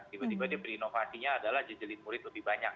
tiba tiba dia berinovasinya adalah jejelit murid lebih banyak